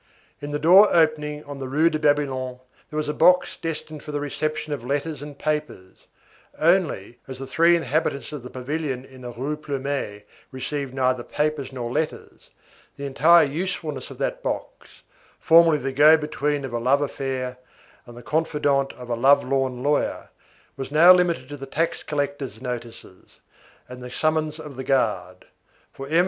In the door opening on the Rue de Babylone, there was a box destined for the reception of letters and papers; only, as the three inhabitants of the pavilion in the Rue Plumet received neither papers nor letters, the entire usefulness of that box, formerly the go between of a love affair, and the confidant of a love lorn lawyer, was now limited to the tax collector's notices, and the summons of the guard. For M.